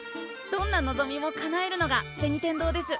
どんな望みもかなえるのが銭天堂です。